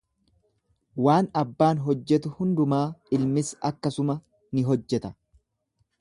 Waan abbaan hojjetu hundumaa ilmis akkasuma ni hojjeta.